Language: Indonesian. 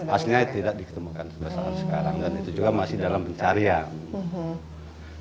aslinya tidak ditemukan sampai saat sekarang dan itu juga masih dalam pencarian